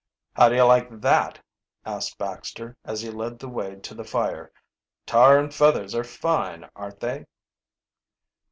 "How do you like that?" asked Baxter, as he led the way to the fire. "Tar and feathers are fine, aren't they?"